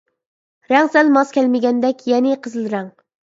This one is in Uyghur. رەڭ سەل ماس كەلمىگەندەك، يەنى قىزىل رەڭ.